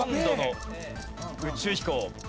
４度の宇宙飛行。